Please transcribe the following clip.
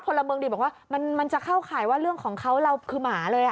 พลเมืองดีบอกว่ามันจะเข้าข่ายว่าเรื่องของเขาเราคือหมาเลย